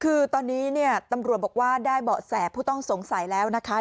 คือตอนนี้เนี่ยตำรวจบอกว่าได้เบาะแสผู้ต้องสงสัยแล้วนะคะ